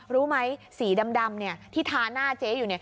รู้ไหมสีดำที่ทาหน้าเจ๊อยู่